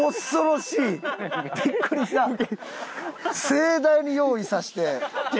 盛大に用意させて。